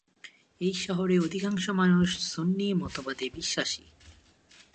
এই শহরে অধিকাংশ মানুষ সুন্নি মতবাদে বিশ্বাসী।